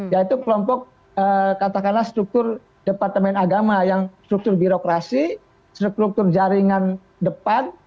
yaitu kelompok katakanlah struktur departemen agama yang struktur birokrasi struktur jaringan depan